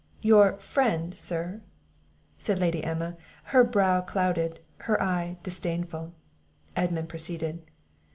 "Your friend, Sir!" said Lady Emma! her brow clouded, her eye disdainful. Edmund proceeded.